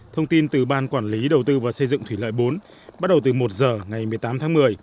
thông tin từ ban quản lý đầu tư và xây dựng thủy lợi bốn bắt đầu từ một giờ ngày một mươi tám tháng một mươi